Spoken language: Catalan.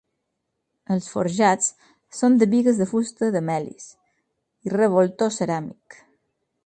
Els forjats són de bigues de fusta de melis i revoltó ceràmic.